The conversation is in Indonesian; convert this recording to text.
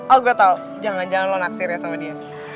aku tau jangan jangan lo naksir ya sama dia